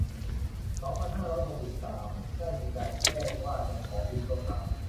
สองพันห้าร้อยหกสิบสาม ได้มีการแจ้งว่าจะขอปิดชั่วคราว